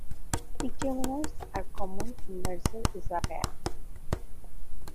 Picture menus are common in larger izakaya.